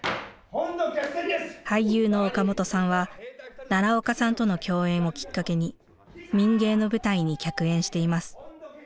俳優の岡本さんは奈良岡さんとの共演をきっかけに「民藝」の舞台に客演しています。